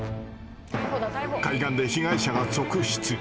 海岸で被害者が続出！